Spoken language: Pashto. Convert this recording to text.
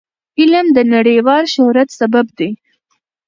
علم د نړیوال شهرت سبب دی.